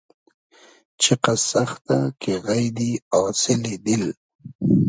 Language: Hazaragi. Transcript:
چیقئس سئختۂ کی غݷدی آسیلی دیل